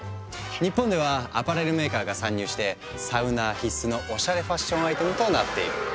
日本ではアパレルメーカーが参入してサウナー必須のおしゃれファッションアイテムとなっている。